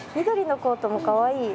緑のコートもかわいい。